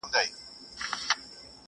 تاوېږه پر حرم ته زه جارېږم له جانانه،